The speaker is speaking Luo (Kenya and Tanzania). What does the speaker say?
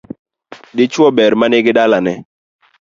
Dichuo ber manigi dalane